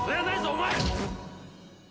お前」